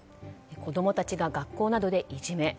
子供たちが学校などでいじめ。